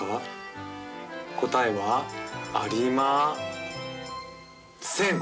答えはありません。